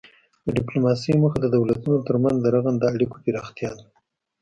د ډیپلوماسي موخه د دولتونو ترمنځ د رغنده اړیکو پراختیا ده